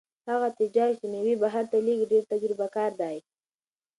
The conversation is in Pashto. هغه تجار چې مېوې بهر ته لېږي ډېر تجربه کار دی.